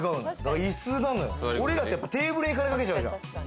俺らはテーブルに金かけちゃうじゃん。